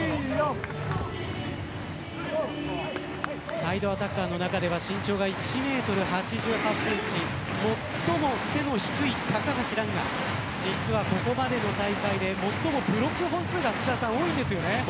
サイドアタッカーの中では身長が１メートル８８センチ最も背の低い高橋藍が実はここまでの大会で最もブロック本数が高いんですよね。